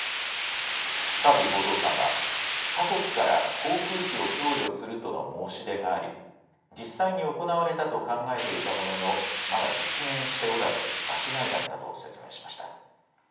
カービー報道官は他国から航空機を供与するとの申し出があり実際に行われたと考えていたもののまだ実現しておらず間違いだったと説明しました。